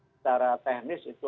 secara teknis itu